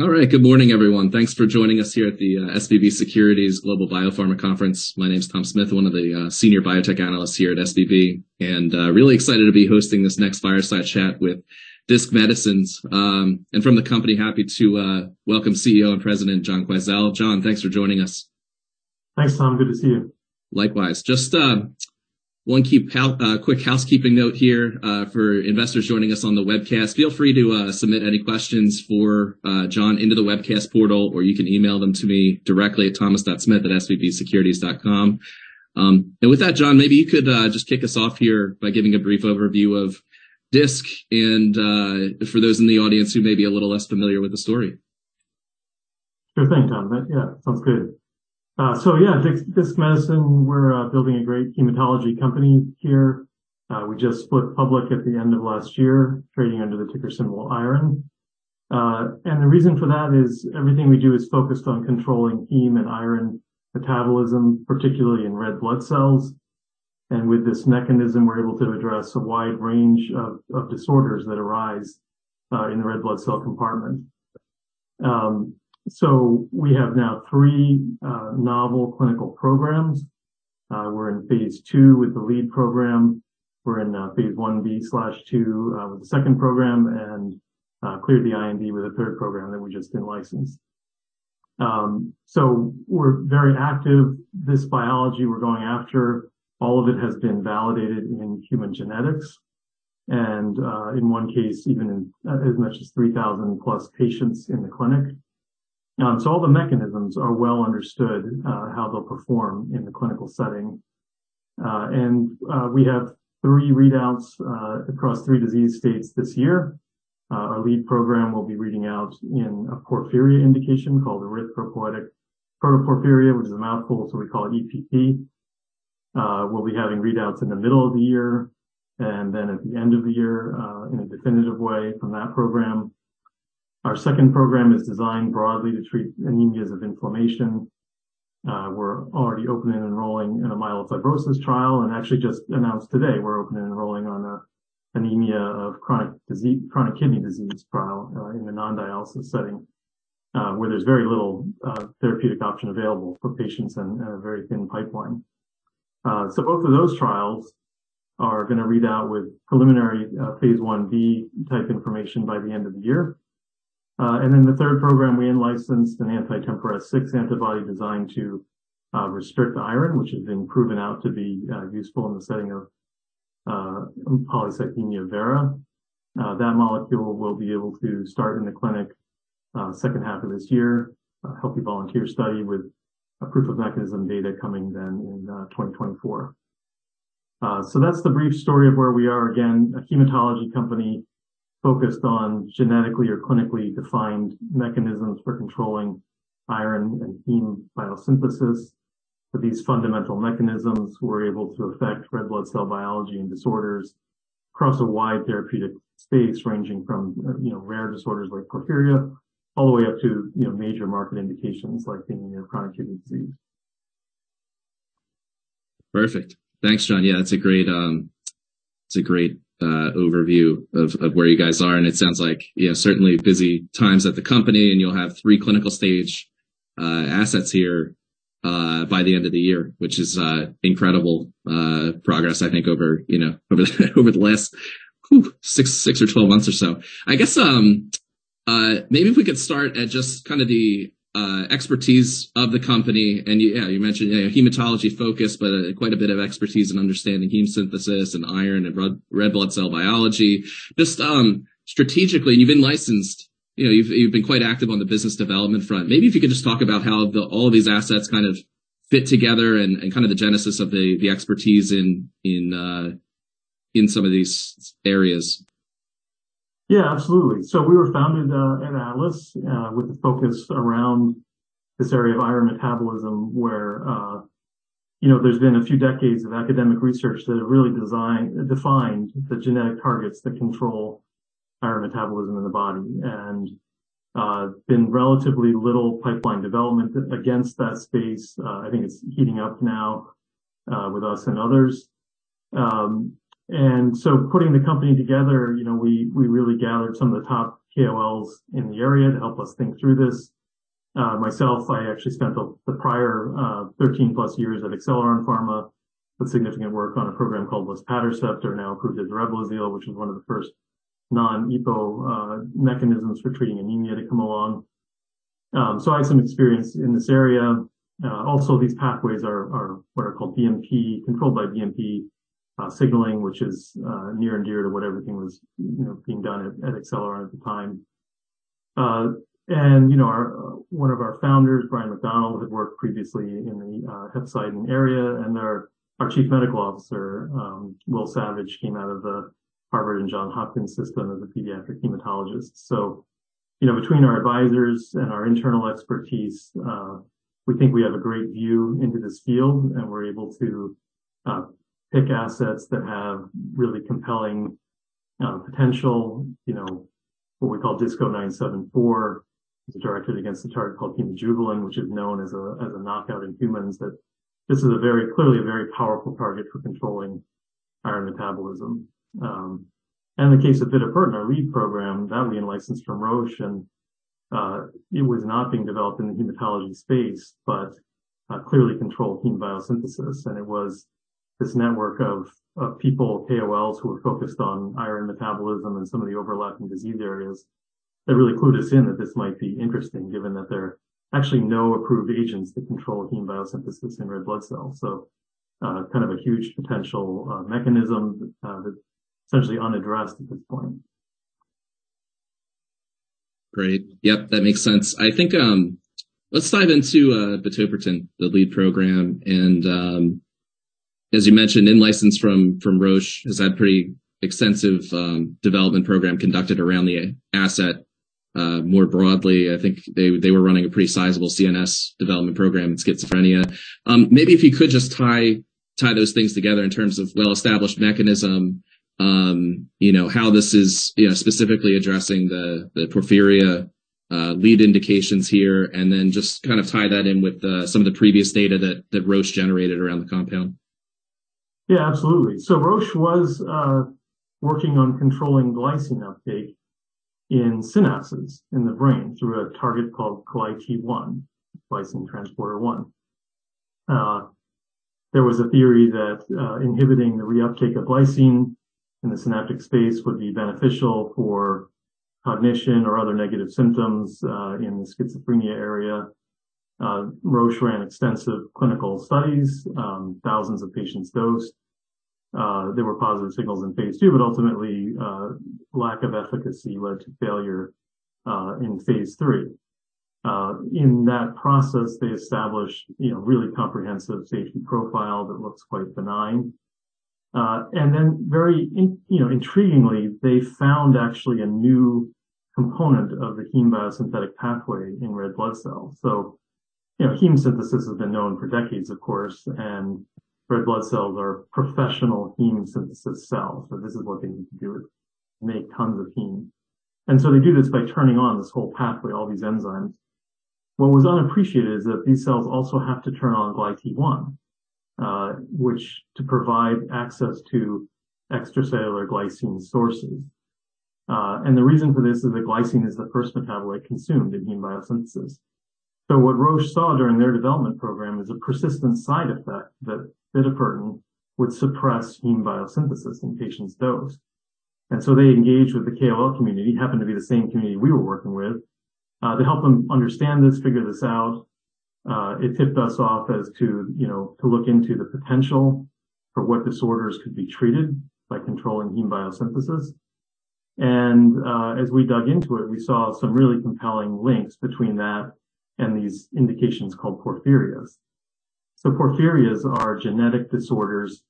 All right. Good morning, everyone. Thanks for joining us here at the SVB Securities Global Biopharma Conference. My name is Tom Smith, one of the senior biotech analysts here at SVB, really excited to be hosting this next fireside chat with Disc Medicine. From the company happy to welcome CEO and President John Quisel. John, thanks for joining us. Thanks, Tom. Good to see you. Likewise. Just one key quick housekeeping note here, for investors joining us on the webcast, feel free to submit any questions for John into the webcast portal or you can email them to me directly at thomas.smith@svbsecurities.com. With that, John, maybe you could just kick us off here by giving a brief overview of Disc and for those in the audience who may be a little less familiar with the story. Sure thing, Tom. That, yeah, sounds good. Yeah, Disc Medicine, we're building a great hematology company here. We just split public at the end of last year, trading under the ticker symbol IRON. The reason for that is everything we do is focused on controlling heme and iron metabolism, particularly in red blood cells. With this mechanism, we're able to address a wide range of disorders that arise in the red blood cell compartment. We have now three novel clinical programs. We're in phase two with the lead program. We're in phase 1B/2 with the second program and cleared the IND with a third program that we just didn't license. We're very active. This biology we're going after, all of it has been validated in human genetics and in one case, even in as much as 3,000-plus patients in the clinic. All the mechanisms are well understood, how they'll perform in the clinical setting. We have three readouts across three disease states this year. Our lead program will be reading out in a porphyria indication called erythropoietic protoporphyria, which is a mouthful, so we call it EPP. We'll be having readouts in the middle of the year and at the end of the year in a definitive way from that program. Our second program is designed broadly to treat anemias of inflammation. We're already open and enrolling in a myelofibrosis trial and actually just announced today we're open and enrolling on a anemia of chronic kidney disease trial in a non-dialysis setting, where there's very little therapeutic option available for patients and a very thin pipeline. So both of those trials are going to read out with preliminary phase 1B type information by the end of the year. And then the third program we in-licensed an anti-TMPRSS6 antibody designed to restrict the iron, which has been proven out to be useful in the setting of polycythemia vera. That molecule will be able to start in the clinic, second half of this year, a healthy volunteer study with a proof of mechanism data coming then in 2024. That's the brief story of where we are. Again, a hematology company focused on genetically or clinically defined mechanisms for controlling iron and heme biosynthesis. With these fundamental mechanisms, we're able to affect red blood cell biology and disorders across a wide therapeutic space, ranging from, you know, rare disorders like porphyria all the way up to, you know, major market indications like anemia chronic kidney disease. Perfect. Thanks, John. Yeah, that's a great, that's a great overview of where you guys are, and it sounds like, you know, certainly busy times at the company, and you'll have three clinical stage assets here by the end of the year, which is incredible progress, I think over, you know, over the over the last, phew, six or 12 months or so. I guess, maybe if we could start at just kind of the expertise of the company and you mentioned, you know, hematology focus, but quite a bit of expertise in understanding heme synthesis and iron and red blood cell biology. Just, strategically, you've been licensed, you've been quite active on the business development front. Maybe if you could just talk about how all of these assets kind of fit together and kind of the genesis of the expertise in some of these areas. Yeah, absolutely. We were founded in Atlas with a focus around this area of iron metabolism where, you know, there's been a few decades of academic research that have really defined the genetic targets that control iron metabolism in the body and been relatively little pipeline development against that space. I think it's heating up now with us and others. Putting the company together, you know, we really gathered some of the top KOLs in the area to help us think through this. Myself, I actually spent the prior 13+ years at Acceleron Pharma with significant work on a program called luspatercept or now approved as REBLAZYL, which was one of the first non-EPO mechanisms for treating anemia to come along. I have some experience in this area. Also, these pathways are what are called BMP, controlled by BMP signaling, which is near and dear to what everything was, you know, being done at Acceleron at the time. And, you know, one of our founders, Brian MacDonald, had worked previously in the hep side and area, and our chief medical officer, Will Savage, came out of the Harvard and Johns Hopkins system as a pediatric hematologist. You know, between our advisors and our internal expertise, we think we have a great view into this field, and we're able to pick assets that have really compelling potential. You know, what we call DISC-0974 is a directed against a target called hemojuvelin, which is known as a knockout in humans. This is a very, clearly a very powerful target for controlling iron metabolism. In the case of Bitopertin, our lead program, that would be in license from Roche, and it was not being developed in the hematology space, but clearly controlled heme biosynthesis. It was this network of people, KOLs, who were focused on iron metabolism and some of the overlapping disease areas that really clued us in that this might be interesting given that there are actually no approved agents that control heme biosynthesis in red blood cells. Kind of a huge potential, mechanism that's essentially unaddressed at this point. Great. Yep, that makes sense. I think, let's dive into Bitopertin, the lead program, and, as you mentioned, in license from Roche, has had pretty extensive development program conducted around the asset. More broadly, I think they were running a pretty sizable CNS development program in schizophrenia. Maybe if you could just tie those things together in terms of well-established mechanism, you know, how this is, you know, specifically addressing the porphyria lead indications here, and then just kind of tie that in with the some of the previous data that Roche generated around the compound? Yeah, absolutely. Roche was working on controlling glycine uptake in synapses in the brain through a target called GlyT1, glycine transporter 1. There was a theory that inhibiting the reuptake of glycine in the synaptic space would be beneficial for cognition or other negative symptoms in the schizophrenia area. Roche ran extensive clinical studies, thousands of patients dosed. There were positive signals in phase two, but ultimately, lack of efficacy led to failure in phase three. In that process, they established, you know, really comprehensive safety profile that looks quite benign. Then very intriguingly, they found actually a new component of the heme biosynthetic pathway in red blood cells. You know, heme synthesis has been known for decades, of course, and red blood cells are professional heme synthesis cells. This is what they do, make tons of heme. They do this by turning on this whole pathway, all these enzymes. What was unappreciated is that these cells also have to turn on GlyT1, which to provide access to extracellular glycine sources. The reason for this is that glycine is the first metabolite consumed in heme biosynthesis. What Roche saw during their development program is a persistent side effect that Bitopertin would suppress heme biosynthesis in patients dosed. They engaged with the KOL community, happened to be the same community we were working with, to help them understand this, figure this out. It tipped us off as to, you know, to look into the potential for what disorders could be treated by controlling heme biosynthesis. As we dug into it, we saw some really compelling links between that and these indications called porphyrias. Porphyrias are genetic disorders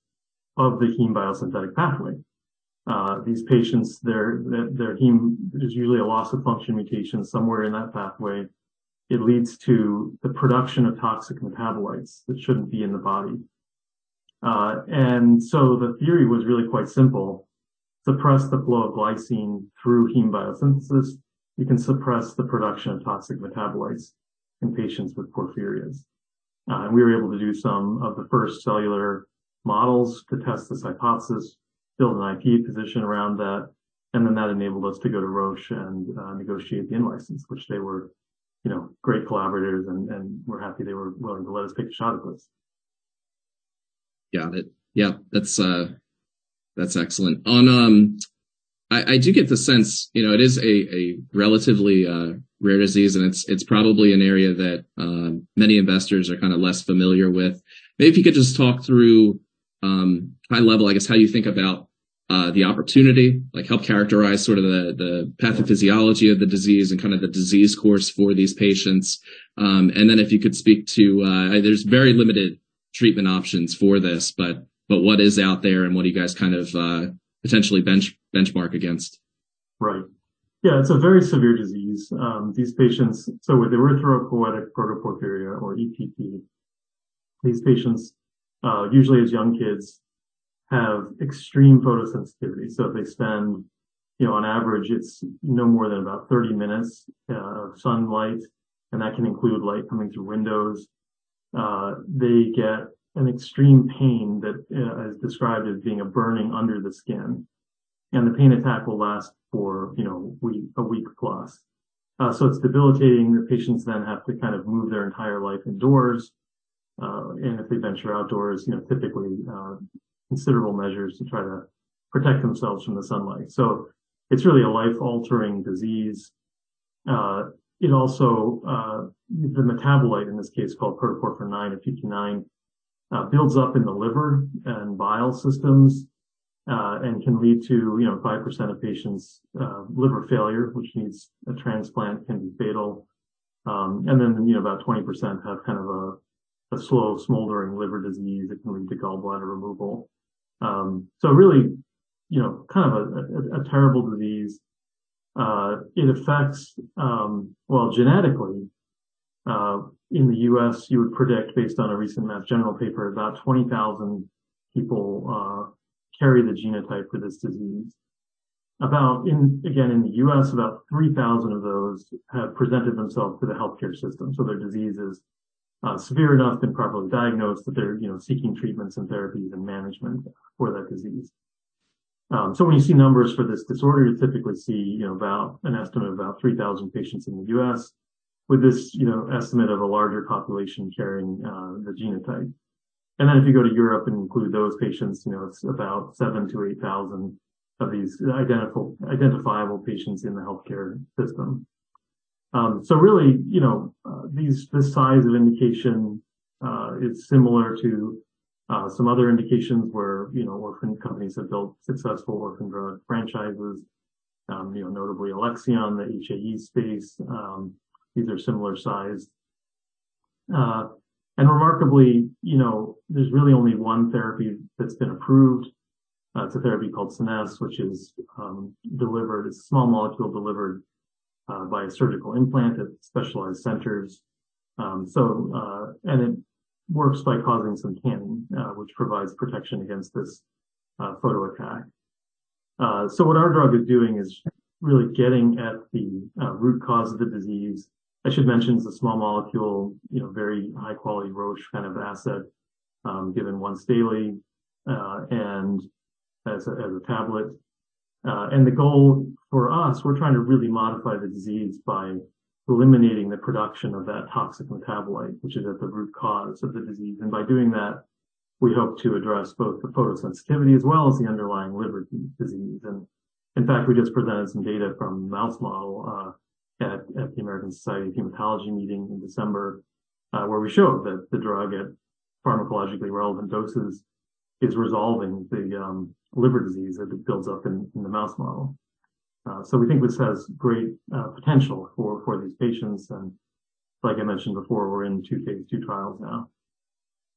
of the heme biosynthetic pathway. These patients, their heme, there's usually a loss of function mutation somewhere in that pathway. It leads to the production of toxic metabolites that shouldn't be in the body. The theory was really quite simple. Suppress the flow of glycine through heme biosynthesis, you can suppress the production of toxic metabolites in patients with porphyrias. We were able to do some of the first cellular models to test this hypothesis, build an IP position around that, and then that enabled us to go to Roche and negotiate the in-license, which they were, you know, great collaborators and we're happy they were willing to let us take a shot at this. Got it. Yeah, that's excellent. On, I do get the sense, you know, it is a relatively rare disease and it's probably an area that many investors are kind of less familiar with. Maybe if you could just talk through high level, I guess, how you think about the opportunity, like help characterize sort of the pathophysiology of the disease and kind of the disease course for these patients? If you could speak to there's very limited treatment options for this, but what is out there and what do you guys kind of potentially benchmark against? Right. Yeah, it's a very severe disease. These patients, so with erythropoietic protoporphyria or EPP, these patients, usually as young kids, have extreme photosensitivity. If they spend, you know, on average, it's no more than about 30 minutes of sunlight, and that can include light coming through windows, they get an extreme pain that is described as being a burning under the skin. The pain attack will last for, you know, a week plus. It's debilitating. The patients have to kind of move their entire life indoors. If they venture outdoors, you know, typically, considerable measures to try to protect themselves from the sunlight. It's really a life-altering disease. It also, the metabolite in this case called protoporphyrin IX, PP9, builds up in the liver and bile systems, and can lead to, you know, 5% of patients' liver failure, which needs a transplant, can be fatal. About 20% have kind of a slow smoldering liver disease that can lead to gallbladder removal. Really, you know, kind of a terrible disease. It affects. Well, genetically, in the U.S., you would predict based on a recent Massachusetts General Hospital paper, about 20,000 people carry the genotype for this disease. Again, in the U.S., about 3,000 of those have presented themselves to the healthcare system. Their disease is severe enough, been properly diagnosed, that they're, you know, seeking treatments and therapies and management for that disease. When you see numbers for this disorder, you typically see, you know, about an estimate of about 3,000 patients in the US with this, you know, estimate of a larger population carrying the genotype. Then if you go to Europe and include those patients, you know, it's about 7,000-8,000 of these identifiable patients in the healthcare system. Really, you know, this size of indication is similar to some other indications where, you know, orphan companies have built successful orphan drug franchises, you know, notably Alexion, the HAE space. These are similar size. Remarkably, you know, there's really only one therapy that's been approved. It's a therapy called Scenesse, which is delivered as a small molecule delivered by a surgical implant at specialized centers. It works by causing some tan, which provides protection against this photo attack. What our drug is doing is really getting at the root cause of the disease. I should mention it's a small molecule, you know, very high quality Roche kind of asset, given once daily, and as a tablet. The goal for us, we're trying to really modify the disease by eliminating the production of that toxic metabolite, which is at the root cause of the disease. By doing that, we hope to address both the photosensitivity as well as the underlying liver disease. In fact, we just presented some data from mouse model at the American Society of Hematology meeting in December, where we showed that the drug at pharmacologically relevant doses is resolving the liver disease as it builds up in the mouse model. We think this has great potential for these patients. Like I mentioned before, we're in two phase two trials now.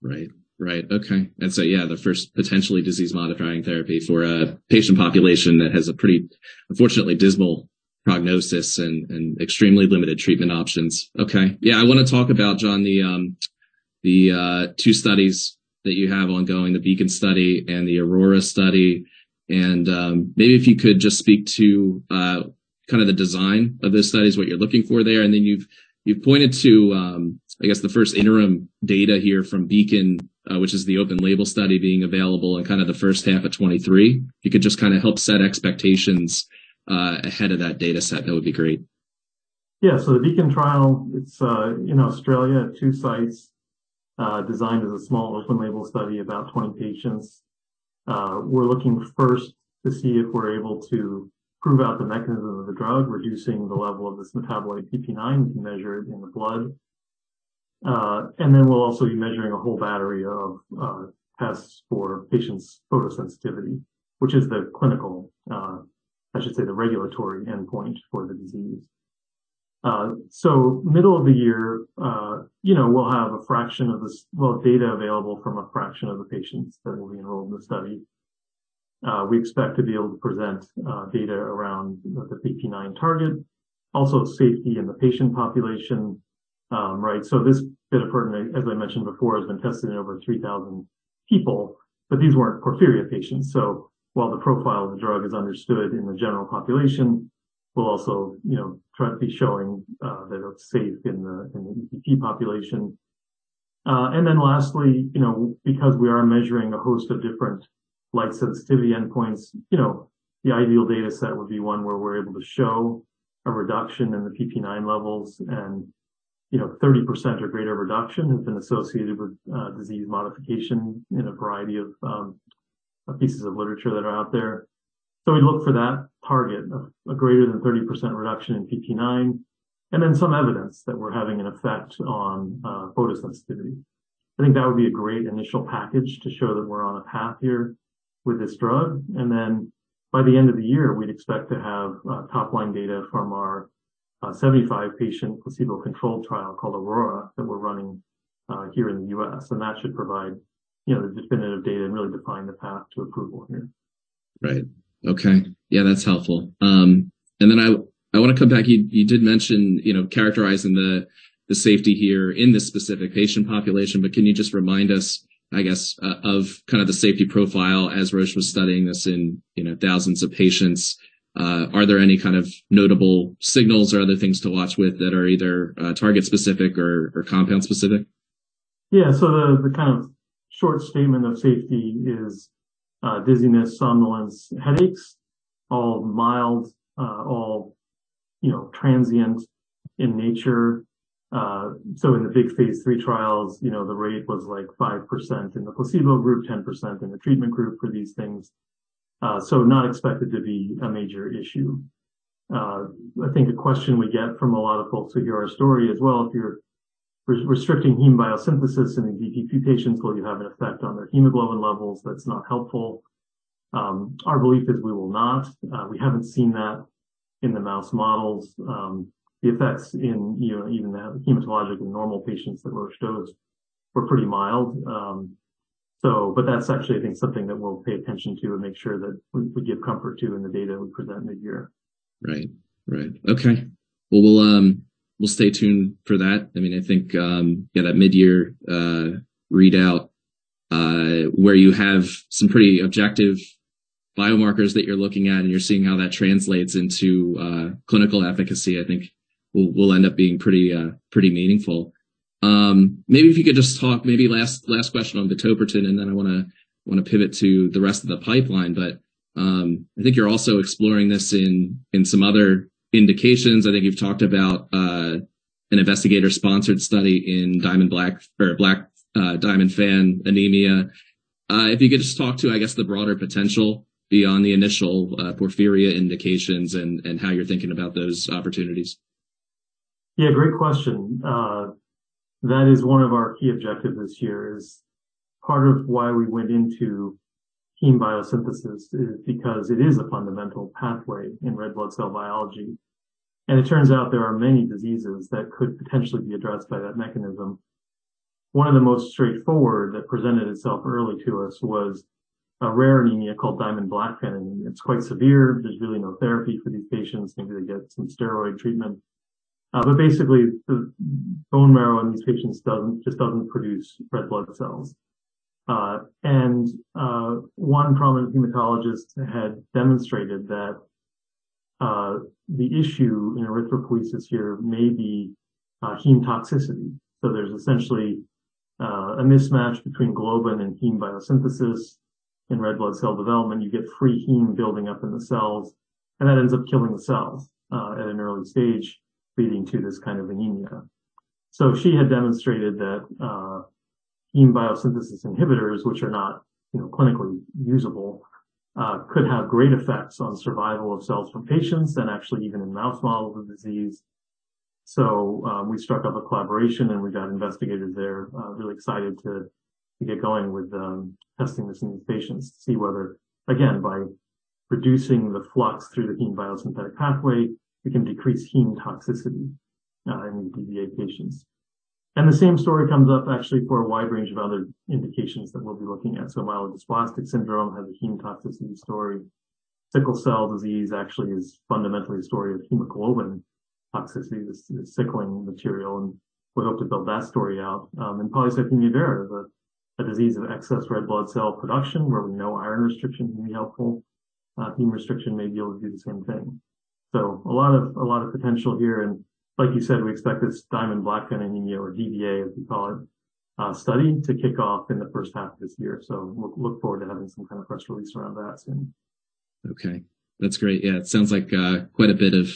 Right. Right. Okay. Yeah, the first potentially disease modifying therapy for a patient population that has a pretty unfortunately dismal prognosis and extremely limited treatment options. Okay. Yeah. I want to talk about, John, the two studies that you have ongoing, the BEACON study and the AURORA study. Maybe if you could just speak to kind of the design of those studies, what you're looking for there. You've pointed to I guess the first interim data here from BEACON, which is the open label study being available in kind of the first half of 2023. If you could just kind of help set expectations ahead of that data set, that would be great. Yeah. The BEACON trial, it's in Australia at two sites, designed as a small open label study, about 20 patients. We're looking first to see if we're able to prove out the mechanism of the drug, reducing the level of this metabolite PP9, we can measure it in the blood. We'll also be measuring a whole battery of tests for patients' photosensitivity, which is the clinical, I should say the regulatory endpoint for the disease. Middle of the year, you know, we'll have data available from a fraction of the patients that will be enrolled in the study. We expect to be able to present data around the PP9 target, also safety in the patient population. Right. This Bitopertin, as I mentioned before, has been tested in over 3,000 people, but these weren't porphyria patients. While the profile of the drug is understood in the general population, we'll also, you know, try to be showing that it's safe in the EPP population. Lastly, you know, because we are measuring a host of different light sensitivity endpoints, you know, the ideal data set would be one where we're able to show a reduction in the PP nine levels and, you know, 30% or greater reduction has been associated with disease modification in a variety of pieces of literature that are out there. We look for that target of a greater than 30% reduction in PP nine, and then some evidence that we're having an effect on photosensitivity. I think that would be a great initial package to show that we're on a path here with this drug. By the end of the year, we'd expect to have top line data from our 75 patient placebo-controlled trial called AURORA that we're running here in the U.S. That should provide, you know, the definitive data and really define the path to approval here. Right. Okay. Yeah, that's helpful. I want to come back. You, you did mention, you know, characterizing the safety here in this specific patient population, but can you just remind us, I guess, of kind of the safety profile as Roche was studying this in, you know, thousands of patients. Are there any kind of notable signals or other things to watch with that are either, target specific or compound specific? The kind of short statement of safety is dizziness, somnolence, headaches. All mild, all, you know, transient in nature. In the big phase three trials, you know, the rate was like 5% in the placebo group, 10% in the treatment group for these things. I think a question we get from a lot of folks who hear our story as well, if you're restricting heme biosynthesis in EPP patients, will you have an effect on their hemoglobin levels that's not helpful? Our belief is we will not. We haven't seen that in the mouse models. The effects in, you know, even the hematological normal patients that Roche shows were pretty mild. That's actually I think something that we'll pay attention to and make sure that we give comfort to in the data we present midyear. Right. Right. Okay. Well, we'll stay tuned for that. I mean, I think, yeah, that midyear readout where you have some pretty objective biomarkers that you're looking at and you're seeing how that translates into clinical efficacy, I think will end up being pretty meaningful. Maybe if you could just talk last question on the Tobrutin, and then I want to pivot to the rest of the pipeline, but I think you're also exploring this in some other indications. I think you've talked about an investigator-sponsored study in Diamond-Blackfan anemia. If you could just talk to, I guess the broader potential beyond the initial porphyria indications and how you're thinking about those opportunities. Yeah, great question. That is one of our key objectives this year is part of why we went into heme biosynthesis is because it is a fundamental pathway in red blood cell biology. It turns out there are many diseases that could potentially be addressed by that mechanism. One of the most straightforward that presented itself early to us was a rare anemia called Diamond-Blackfan anemia. It's quite severe. There's really no therapy for these patients. Maybe they get some steroid treatment. Basically the bone marrow in these patients doesn't produce red blood cells. And one prominent hematologist had demonstrated that the issue in erythropoiesis here may be heme toxicity. There's essentially a mismatch between globin and heme biosynthesis in red blood cell development. You get free heme building up in the cells, and that ends up killing the cells, at an early stage, leading to this kind of anemia. She had demonstrated that heme biosynthesis inhibitors, which are not, you know, clinically usable, could have great effects on survival of cells from patients than actually even in mouse models of disease. We struck up a collaboration, and we've got investigators there, really excited to get going with testing this in these patients to see whether, again, by reducing the flux through the heme biosynthetic pathway, we can decrease heme toxicity, in DBA patients. The same story comes up actually for a wide range of other indications that we'll be looking at. Myelodysplastic syndrome has a heme toxicity story. sickle cell disease actually is fundamentally a story of hemoglobin toxicity, the sickling material, and we hope to build that story out. polycythemia vera, a disease of excess red blood cell production where we know iron restriction can be helpful. heme restriction may be able to do the same thing. A lot of potential here. Like you said, we expect this Diamond-Blackfan anemia or DBA, as we call it, study to kick off in the first half of this year. Look forward to having some kind of press release around that soon. Okay, that's great. Yeah, it sounds like quite a bit of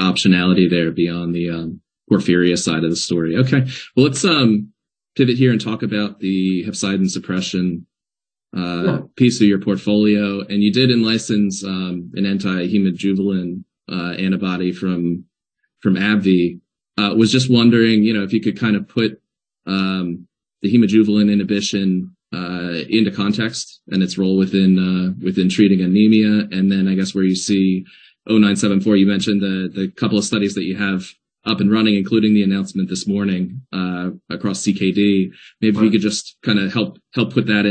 optionality there beyond the porphyria side of the story. Okay. Well, let's pivot here and talk about the hepcidin suppression. Sure. -piece of your portfolio. You did in-license an anti-hemojuvelin antibody from AbbVie. Was just wondering, you know, if you could kind of put the hemojuvelin inhibition into context and its role within treating anemia and then I guess where you see 0974. You mentioned the couple of studies that you have up and running, including the announcement this morning, across CKD. Right. Maybe if you could just kind of help put that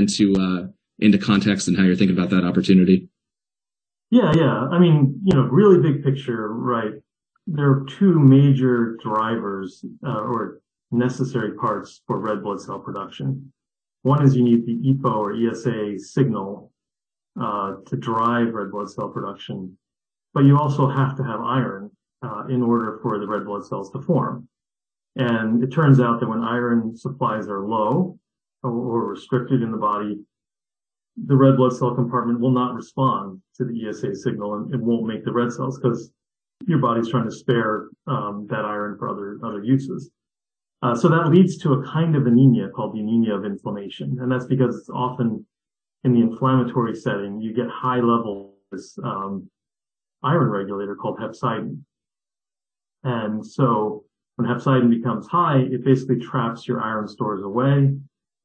into context and how you're thinking about that opportunity. Yeah, yeah. I mean, you know, really big picture, right? There are two major drivers, or necessary parts for red blood cell production. One is you need the EPO or ESA signal to drive red blood cell production, but you also have to have iron in order for the red blood cells to form. It turns out that when iron supplies are low or restricted in the body, the red blood cell compartment will not respond to the ESA signal, and it won't make the red cells because your body's trying to spare that iron for other uses. That leads to a kind of anemia called anemia of inflammation. That's because often in the inflammatory setting you get high levels iron regulator called hepcidin. When hepcidin becomes high, it basically traps your iron stores away.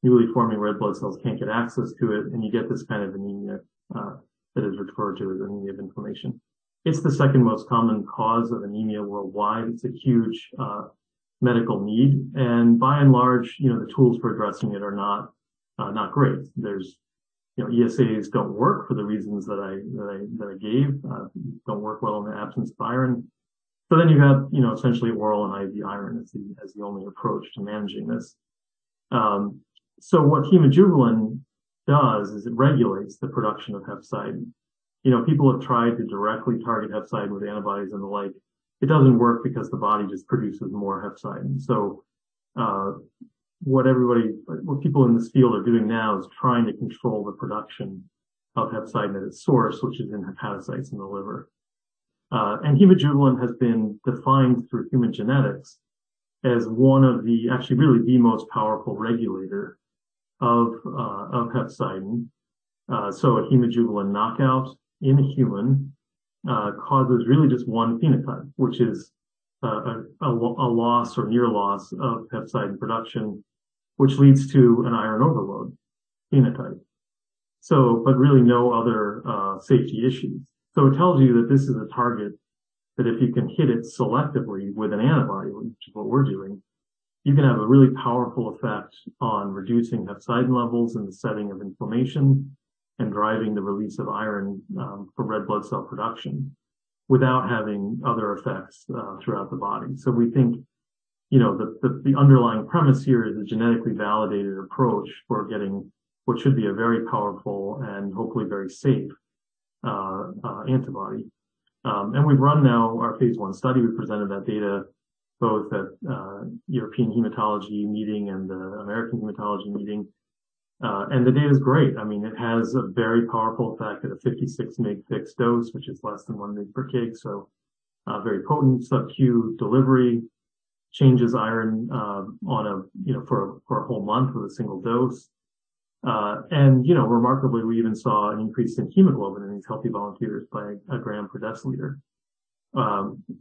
Newly forming red blood cells can't get access to it, and you get this kind of anemia that is referred to as anemia of inflammation. It's the second most common cause of anemia worldwide. It's a huge medical need. By and large, you know, the tools for addressing it are not great. You know, ESAs don't work for the reasons that I gave. Don't work well in the absence of iron. You have, you know, essentially oral and IV iron as the only approach to managing this. What hemojuvelin does is it regulates the production of hepcidin. You know, people have tried to directly target hepcidin with antibodies and the like. It doesn't work because the body just produces more hepcidin. What people in this field are doing now is trying to control the production of hepcidin at its source, which is in hepatocytes in the liver. And hemojuvelin has been defined through human genetics as one of the, actually really the most powerful regulator of hepcidin. A hemojuvelin knockout in human causes really just one phenotype, which is a loss or near loss of hepcidin production, which leads to an iron overload phenotype. But really no other safety issues. It tells you that this is a target that if you can hit it selectively with an antibody, which is what we're doing, you can have a really powerful effect on reducing hepcidin levels in the system Inflammation and driving the release of iron for red blood cell production without having other effects throughout the body. We think, you know, the, the underlying premise here is a genetically validated approach for getting what should be a very powerful and hopefully very safe antibody. We've run now our phase one study. We presented that data both at European Hematology Meeting and the American Hematology Meeting. The data is great. I mean, it has a very powerful effect at a 56 mg fixed dose, which is less than one mg per kg, so very potent SubQ delivery, changes iron on a, you know, for a whole month with a single dose. You know, remarkably, we even saw an increase in hemoglobin in these healthy volunteers by one gram per deciliter.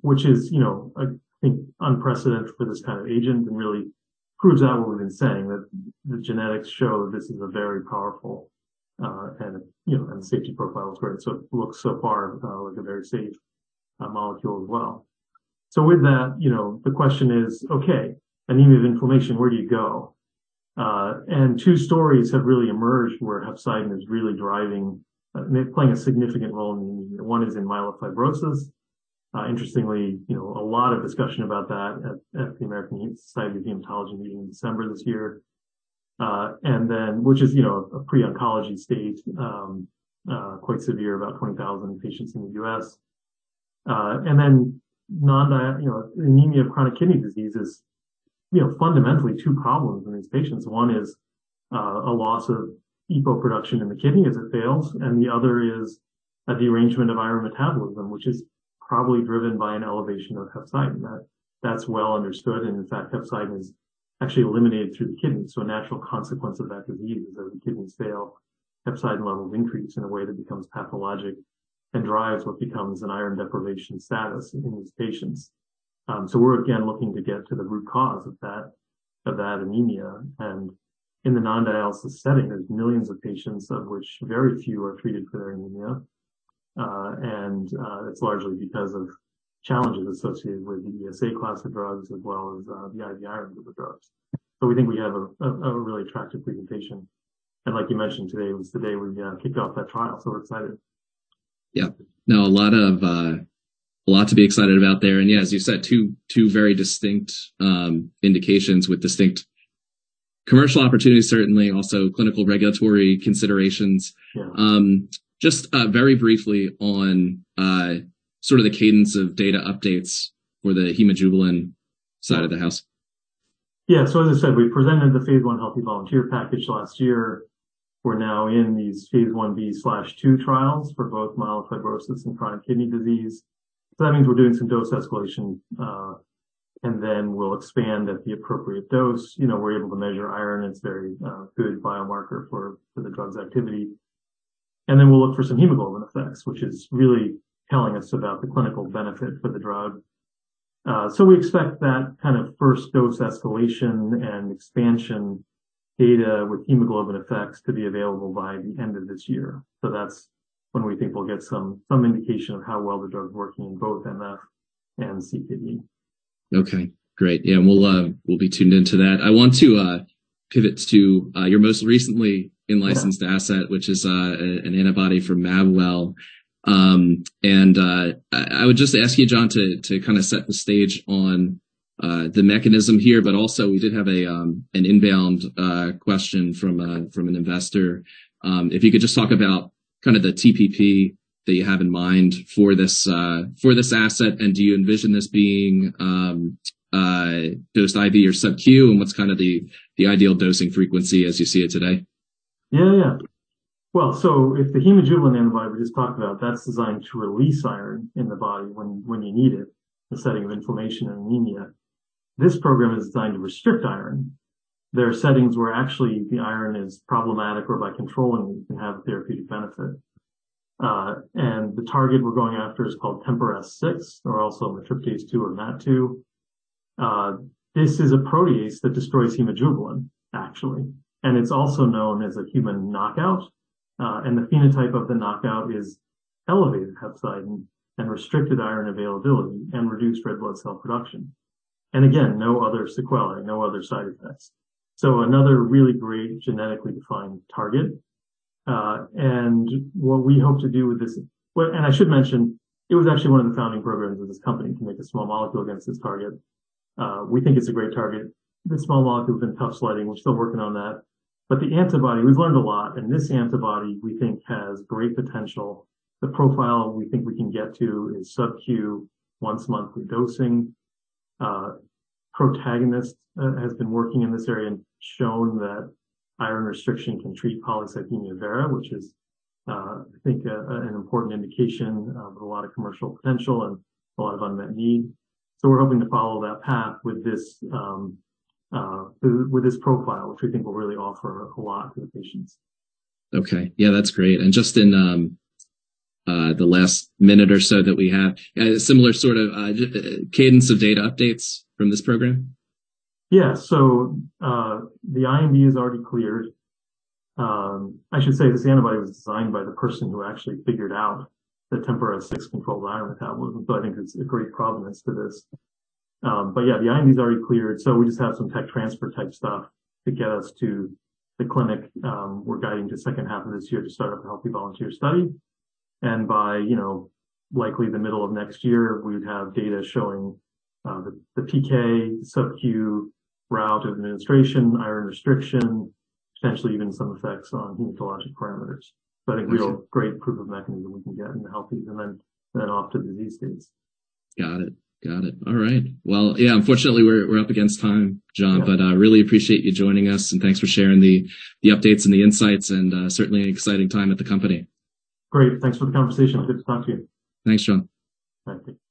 Which is, you know, I think unprecedented for this kind of agent and really proves out what we've been saying, that the genetics show this is a very powerful, and you know, and the safety profile is great. It looks so far like a very safe molecule as well. With that, you know, the question is, okay, anemia of inflammation, where do you go? Two stories have really emerged where hepcidin is really driving, playing a significant role in anemia. One is in myelofibrosis. Interestingly, you know, a lot of discussion about that at the American Society of Hematology Meeting in December this year. Which is, you know, a pre-oncology state, quite severe, about 20,000 patients in the U.S. You know, anemia of chronic kidney disease is, you know, fundamentally two problems in these patients. One is a loss of EPO production in the kidney as it fails, and the other is the derangement of iron metabolism, which is probably driven by an elevation of hepcidin. That's well understood, and in fact, hepcidin is actually eliminated through the kidneys, so a natural consequence of that disease is that when the kidneys fail, hepcidin levels increase in a way that becomes pathologic and drives what becomes an IRON deprivation status in these patients. We're again looking to get to the root cause of that anemia. In the non-dialysis setting, there's millions of patients of which very few are treated for their anemia, and it's largely because of challenges associated with the ESA class of drugs as well as the IV IRON group of drugs. We think we have a really attractive group of patients. Like you mentioned, today was the day we kicked off that trial, so we're excited. Yeah. No, a lot to be excited about there. Yeah, as you said, two very distinct indications with distinct commercial opportunities, certainly also clinical regulatory considerations. Sure. Just very briefly on sort of the cadence of data updates for the hemojuvelin side of the house. As I said, we presented the phase one healthy volunteer package last year. We're now in these phase 1b/2 trials for both myelofibrosis and chronic kidney disease. That means we're doing some dose escalation, and then we'll expand at the appropriate dose. You know, we're able to measure iron. It's a very good biomarker for the drug's activity. We'll look for some hemoglobin effects, which is really telling us about the clinical benefit for the drug. We expect that kind of first dose escalation and expansion data with hemoglobin effects to be available by the end of this year. That's when we think we'll get some indication of how well the drug's working in both MF and CKD. Okay, great. Yeah, we'll be tuned into that. I want to pivot to your most recently in-licensed asset... Sure. ...which is an antibody from Mabwell. I would just ask you, John, to kind of set the stage on the mechanism here, but also we did have an inbound question from an investor. If you could just talk about kind of the TPP that you have in mind for this asset, and do you envision this being dosed IV or subQ? What's kind of the ideal dosing frequency as you see it today? Well, if the hemojuvelin antibody we just talked about, that's designed to release iron in the body when you need it, the setting of inflammation and anemia, this program is designed to restrict iron. There are settings where actually the iron is problematic or by controlling we can have a therapeutic benefit. The target we're going after is called TMPRSS6 or also Matriptase-2 or Matriptase-2. This is a protease that destroys hemojuvelin, actually, and it's also known as a human knockout. The phenotype of the knockout is elevated hepcidin and restricted iron availability and reduced red blood cell production. And again, no other sequelae, no other side effects. Another really great genetically defined target. What we hope to do with this... I should mention it was actually one of the founding programs of this company to make a small molecule against this target. We think it's a great target. The small molecule's been tough sledding. We're still working on that. The antibody, we've learned a lot, and this antibody we think has great potential. The profile we think we can get to is SubQ once monthly dosing. Protagonist has been working in this area and shown that iron restriction can treat polycythemia vera, which is, I think a, an important indication of a lot of commercial potential and a lot of unmet need. We're hoping to follow that path with this with this profile, which we think will really offer a lot to the patients. Okay. Yeah, that's great. Just in the last minute or so that we have, similar sort of cadence of data updates from this program? The IND is already cleared. I should say this antibody was designed by the person who actually figured out the TMPRSS6-controlled iron metabolism. I think it's a great provenance for this. The IND's already cleared. We just have some tech transfer type stuff to get us to the clinic. We're guiding to second half of this year to start up a healthy volunteer study. By, you know, likely the middle of next year, we'd have data showing the PK, subQ route of administration, iron restriction, potentially even some effects on hematologic parameters. A real great proof of mechanism we can get in the healthy, then off to the disease states. Got it. All right. Well, yeah, unfortunately, we're up against time, John. Yeah. Really appreciate you joining us and thanks for sharing the updates and the insights and, certainly an exciting time at the company. Great. Thanks for the conversation. Good to talk to you. Thanks, John. Bye. Take care.